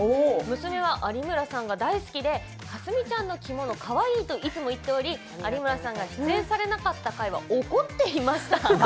娘は有村さんが大好きで「かすみちゃんのきものかわいい」といつも言っており有村さんが出演されなかった回は怒っていました。